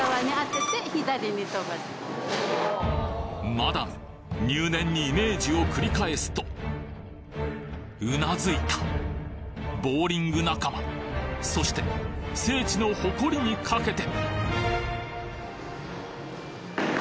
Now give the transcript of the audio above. マダム入念にイメージを繰り返すと頷いたボウリング仲間そして聖地の誇りにかけて！